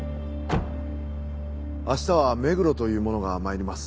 明日は目黒という者が参ります。